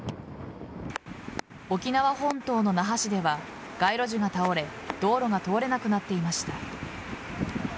沖縄本島の那覇市では街路樹が倒れ道路が通れなくなっていました。